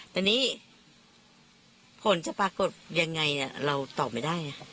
ตอนนี้ผลจะปรากฏยังไงเราตอบไม่ได้